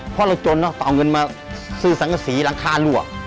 เพราะเราจนเนอะต้องเอาเงินมาซื้อสังกษีหลังคารวก